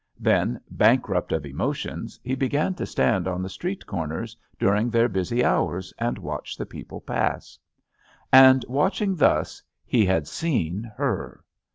Then, bank rupt of emotions, he began to stand on the street corners during their busy hours and watch the people pass. And watching thus, he had seen her.